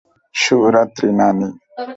শুভরাত্রি, নানী।